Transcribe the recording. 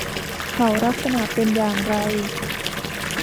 เขาลักษณะเป็นอย่างไร